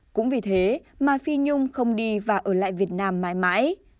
cũng vì thế mà phi nhung không đi và ở lại việt nam mãi mãi